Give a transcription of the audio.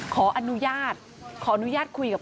ขออนุญาตขออนุญาตคุยกับ